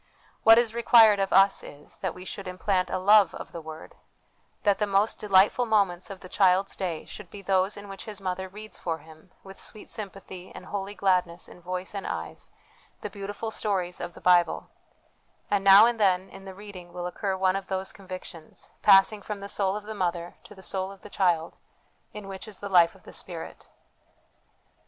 What is required of us is, that we should implant a love of the Word ; that the most delightful moments of the child's day should be those in which his mother reads for him, with sweet sympathy and holy gladness in voice and eyes, the beautiful stories of the Bible; and now and then in the reading will occur one of those convictions, passing from the soul of the mother to the soul of the child, in which is the life of the Spirit.